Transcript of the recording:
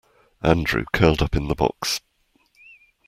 Andrew curled up in the box.